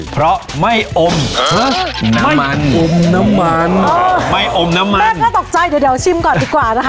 เพราะไม่อมน้ำมันอมน้ำมันไม่อมน้ำมันแม่น่าตกใจเดี๋ยวเดี๋ยวชิมก่อนดีกว่านะคะ